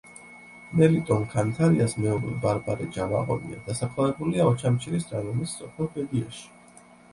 მელიტონ ქანთარიას მეუღლე ბარბარე ჯალაღონია დასაფლავებულია ოჩამჩირის რაიონის სოფელ ბედიაში.